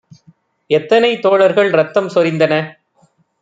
எத்தனை தோழர்கள் ரத்தம் சொரிந்தன